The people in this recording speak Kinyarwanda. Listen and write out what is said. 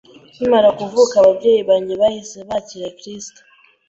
Nkimara kuvuka ababyeyi banjye bahise bakira Kristo,